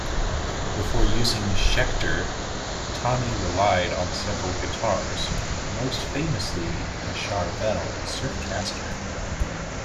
Before using Schecter, Tommy relied on several guitars, most famously a Charvel Surfcaster.